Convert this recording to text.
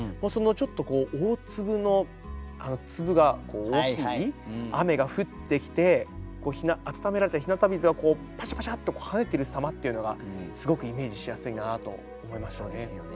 ちょっと大粒の粒が大きい雨が降ってきて温められた日向水がパシャパシャッと跳ねてる様っていうのがすごくイメージしやすいなと思いました。